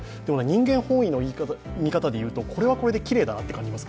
人間本位の見方でいうとこれはこれできれいだなと思います。